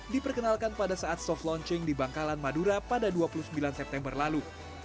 diperkenalkan pada saat soft launching di bangkalan madura pada dua puluh sembilan september lalu